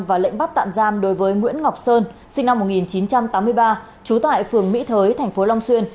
và lệnh bắt tạm giam đối với nguyễn ngọc sơn sinh năm một nghìn chín trăm tám mươi ba trú tại phường mỹ thới tp long xuyên